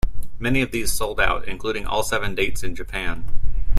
Many of these sold out, including all seven dates in Japan.